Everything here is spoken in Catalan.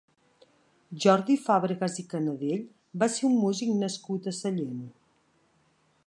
Jordi Fàbregas i Canadell va ser un músic nascut a Sallent.